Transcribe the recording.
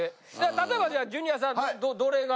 例えばじゃあジュニアさんどれが。